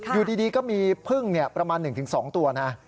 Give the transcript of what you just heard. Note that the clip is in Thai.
อยู่ดีก็มีพึ่งประมาณ๑๒ตัวนะ